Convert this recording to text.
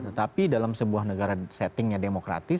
tetapi dalam sebuah negara setting yang demokratik